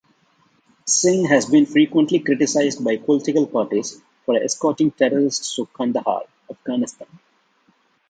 Singh has been frequently criticized by political parties for escorting terrorists to Kandhahar, Afghanistan.